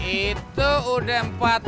itu udah empat puluh enam